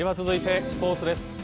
続いてスポーツです。